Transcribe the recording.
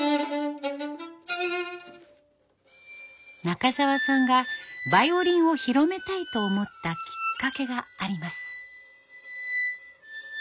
中澤さんがバイオリンを広めたいと思ったきっかけがあります。